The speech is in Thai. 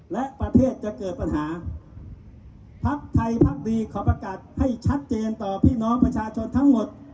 และประเทศจะเกิดปัญหาพักไทยพักดีขอประกาศให้ชัดเจนต่อพี่น้องประชาชนทั้งหมด